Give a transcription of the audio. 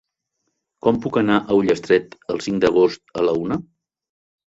Com puc anar a Ullastret el cinc d'agost a la una?